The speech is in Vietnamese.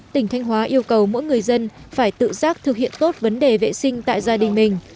tỉnh thanh hóa yêu cầu mỗi người dân phải tự giác thực hiện tốt vấn đề vệ sinh tại gia đình mình